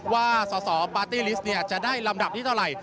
ว่าสสปาร์ตี้ลิสต์จะได้ลำดับที่เท่าไหร่